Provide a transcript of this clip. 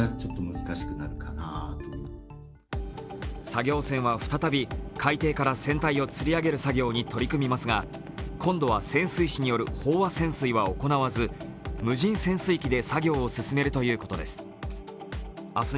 作業船は再び海底から船体をつり上げる作業に取り組みますが今度は潜水士による飽和潜水は行わず、無人潜水機で作業を進めるということです。